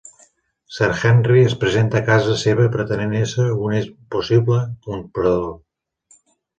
Sir Henry es presenta a casa seva pretenent ésser un possible comprador.